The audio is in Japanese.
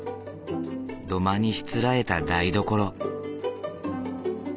土間にしつらえた台所。